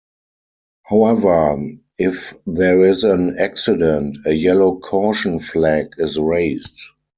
However, if there is an accident, a yellow caution flag is raised.